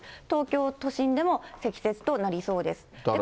東京都心でも積雪となりそうです。